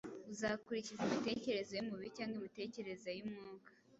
Uzakurikiza imitekerereze y’umubiri cyangwa imitekerereze y’Umwuka?